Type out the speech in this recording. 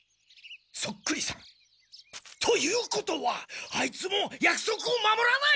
そっくりさん。ということはあいつもやくそくを守らない！？